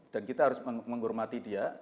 dan kita harus menghormati dia